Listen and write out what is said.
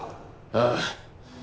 ああ。